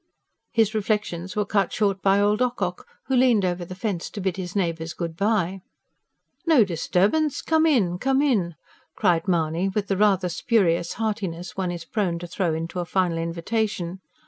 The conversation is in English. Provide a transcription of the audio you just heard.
His reflections were cut short by old Ocock, who leaned over the fence to bid his neighbours good bye. "No disturbance! Come in, come in!" cried Mahony, with the rather spurious heartiness one is prone to throw into a final invitation.